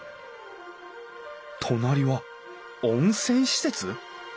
隣は温泉施設？